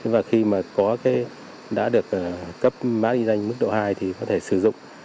và khi mà có cái đã được cấp mã định danh mức độ hai thì có thể sử dụng